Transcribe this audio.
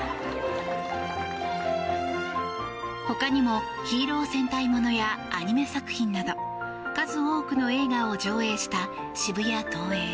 他にもヒーロー戦隊ものやアニメ作品など数多くの映画を上映した渋谷ＴＯＥＩ。